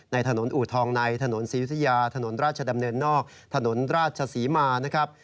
ถนนอูทองในถนนศรียุธยาถนนราชดำเนินนอกถนนราชศรีมานะครับ